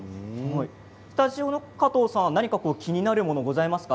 スタジオの加藤さん気になるものはありますか？